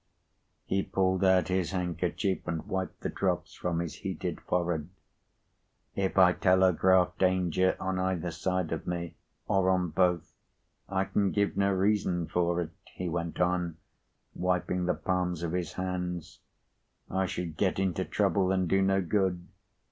He pulled out his handkerchief, and wiped the drops from his heated forehead. "If I telegraph Danger, on either side of me, or on both, I can give no reason for it," he went on, wiping the palms of his hands. "I should get into trouble, and do no good.